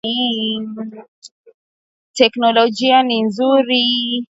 lakini kutokana na kuendelea kwa teknolojia